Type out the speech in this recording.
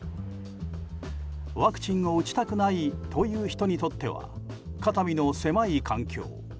ワクチンを打ちたくないという人にとっては肩身の狭い環境。